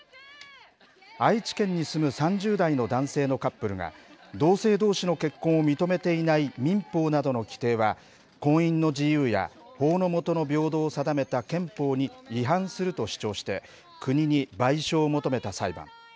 愛知県に住む３０代の男性のカップルが、同性どうしの結婚を認めていない民法などの規定は婚姻の自由や法の下の平等を定めた憲法に違反すると主張して、国に賠償を求めた裁判。